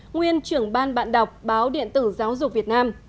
nguyên trưởng ban bạn đọc báo điện tử giáo dục việt nam